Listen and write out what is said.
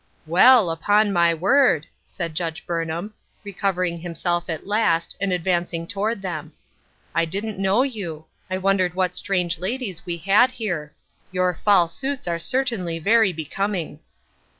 " Well, upon my word I " said Judge Burn ham, recovering himself at last, and advancing toward them, " I didn't know you. I wondered what strange ladies we had here. Your fall suits are certainly very becoming."